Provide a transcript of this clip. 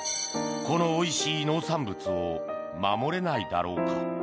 このおいしい農産物を守れないだろうか。